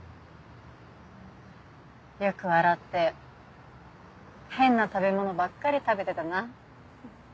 よく笑って変な食べ物ばっかり食べてたな。